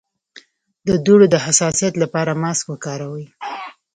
د دوړو د حساسیت لپاره ماسک وکاروئ